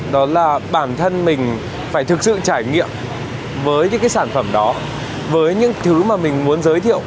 đó là bản thân mình phải thực sự trải nghiệm với những cái sản phẩm đó với những thứ mà mình muốn giới thiệu